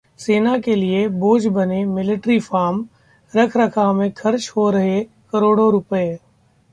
सेना के लिए बोझ बने मिलिट्री फार्म, रखरखाव में खर्च हो रहे करोड़ों रुपए